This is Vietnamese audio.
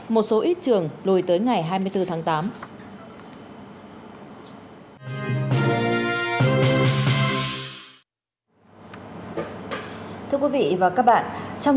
một số ít trường lùi tới ngày hai mươi bốn tháng tám